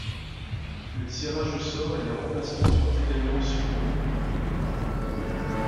Le tirage au sort et les remplacements furent également supprimés.